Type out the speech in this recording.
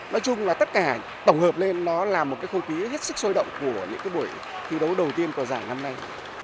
nói chung là tất cả tổng hợp lên nó là một cái không khí hết sức sôi động của những buổi thi đấu đầu tiên của giải năm nay